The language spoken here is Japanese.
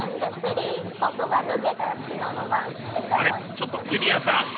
ちょっとゆりやんさん！